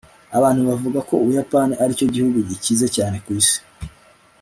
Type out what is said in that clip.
Abantu bavuga ko Ubuyapani aricyo gihugu gikize cyane ku isi